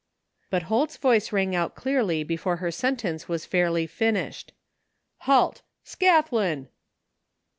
'' But Holt's voice rang, out clearly before her sen tence was fairly finished : "Halt! Scathlin!"